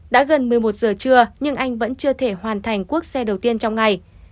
đã gần một mươi một giờ trưa nhưng anh vẫn chưa thể hoàn thành cuốc xe đầu tiên trong ngày